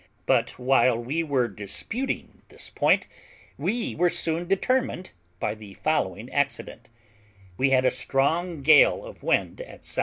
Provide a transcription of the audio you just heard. But while we were disputing this point we were soon determined by the following accident: We had a strong gale of wind at S.W.